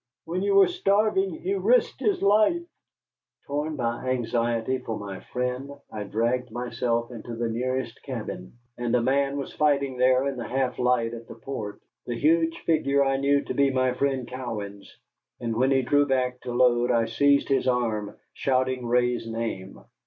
When you were starving he risked his life " Torn by anxiety for my friend, I dragged myself into the nearest cabin, and a man was fighting there in the half light at the port. The huge figure I knew to be my friend Cowan's, and when he drew back to load I seized his arm, shouting Ray's name.